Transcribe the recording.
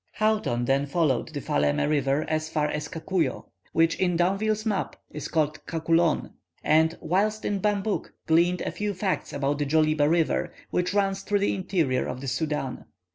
Houghton then followed the Falemé river as far as Cacullo, which in D'Anville's map is called Cacoulon, and whilst in Bambouk gleaned a few facts about the Djoliba river, which runs through the interior of the Soudan.